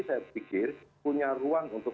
saya pikir punya ruang untuk